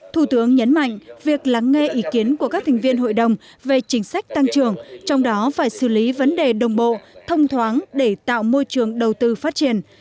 thủ tướng nhấn mạnh việc lắng nghe ý kiến của các thành viên hội đồng về chính sách tăng trưởng trong đó phải xử lý vấn đề đồng bộ thông thoáng để tạo môi trường đầu tư phát triển